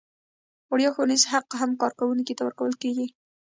وړیا ښوونیز حق هم کارکوونکي ته ورکول کیږي.